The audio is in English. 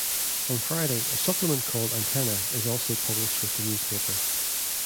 On Friday, a supplement called "Antena" is also published with the newspaper.